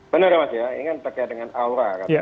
benar ya mas ya ini kan terkait dengan aura katanya